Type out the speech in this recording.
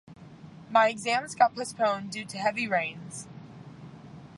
My exams got postponed due to heavy rains